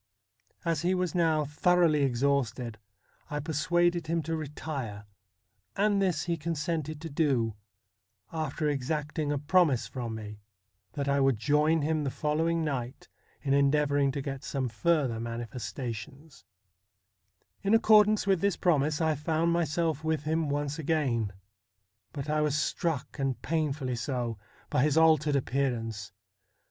As he was now thoroughly exhausted I persuaded him to retire, and this he consented to do after exacting a promise from me that I would join him the following night in en deavouring to get some further manifestations, In accordance with this promise I found myself with him once again, but I was struck, and painfully so, by his altered appearance.